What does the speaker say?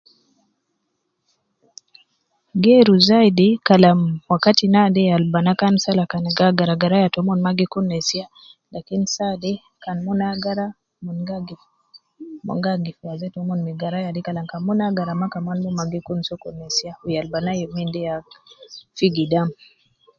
Geeru zaidi kalam wakati naade yal banaa kan sala kan gi agara garaya taumon mma gi kun nesiya, lakin saade kan mon agara, umon gi agif waze tomon me garaya de kalam kan mon agara maa kaman mon ma gi kun sokol nesiya, yal banaa youminde ya fi gidam.